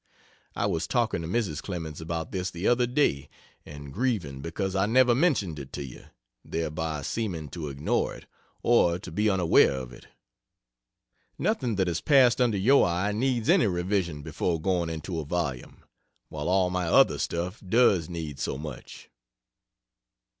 I was talking to Mrs. Clemens about this the other day, and grieving because I never mentioned it to you, thereby seeming to ignore it, or to be unaware of it. Nothing that has passed under your eye needs any revision before going into a volume, while all my other stuff does need so much."